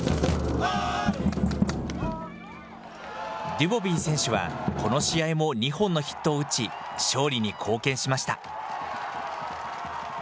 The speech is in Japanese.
ドゥボビー選手はこの試合も２本のヒットを打ち、勝利に貢献しました。